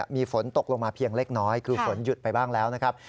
มีฝนตกลงมาเพียงเล็กน้อยคือฝนหยุดไปบ้างแล้วนะครับ